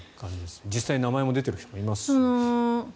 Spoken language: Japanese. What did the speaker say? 実際名前が出ている人もいますし。